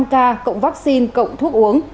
năm k cộng vaccine cộng thuốc uống